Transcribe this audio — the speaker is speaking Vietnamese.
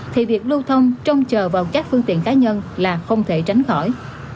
thì việc lưu thông trông chờ vào các phương tiện cá nhân là không thể tránh khỏi